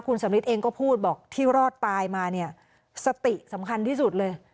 คุณสำริทเองก็พูดบอกที่รอดตายมาเนี่ยสติสำคัญที่สุดเลย